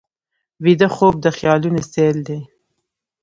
ویده خوب د خیالونو سیل دی